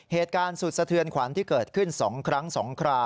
เหตุการณ์สุดสะเทือนขวัญที่เกิดขึ้น๒ครั้ง๒ครา